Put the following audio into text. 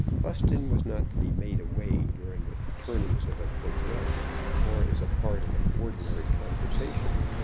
Buston was not to be made away during the turnings of a quadrille or as a part of an ordinary conversation.